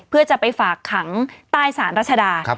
เพื่อจะไปฝากขังใต้สารรัชดา